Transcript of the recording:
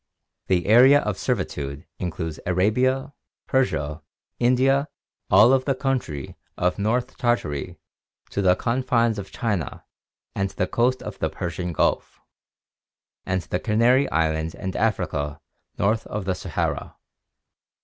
The area of servitude includes Arabia, Persia, India, all of the country from North Tartary to the confines of China and the coast of the Persian Gulf, and the Canary Islands and Africa north of the Sahara.